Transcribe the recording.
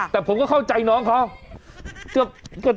แต่ผมก็เข้าใจน้องเขา